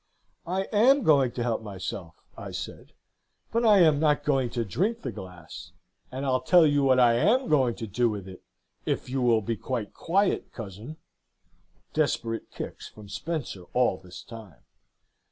"'I am going to help myself,' I said; 'but I am not going to drink the glass; and I'll tell you what I am going to do with it, if you will be quite quiet, cousin.' (Desperate kicks from Spencer all this time.)